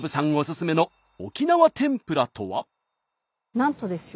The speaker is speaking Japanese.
なんとですよ